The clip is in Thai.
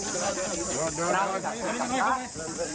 ขอบคุณครับ